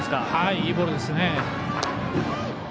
いいボールですね。